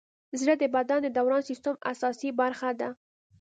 زړه د بدن د دوران سیسټم اساسي برخه ده.